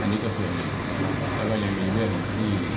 อันนี้ก็ส่วนหนึ่งแล้วก็ยังมีเรื่องที่